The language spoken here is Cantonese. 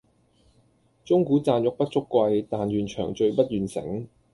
鐘鼓饌玉不足貴，但愿長醉不愿醒！